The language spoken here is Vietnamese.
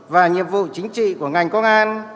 và nhiệm vụ chính trị của ngành công an